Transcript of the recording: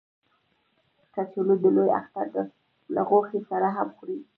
کچالو د لوی اختر له غوښې سره هم خوري